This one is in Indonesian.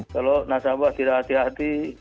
kalau nasabah tidak hati hati